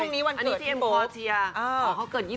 อันนี้เทอร์มินอร์๒๑เอ็มพอร์เทียเขาเกิด๒๗จอน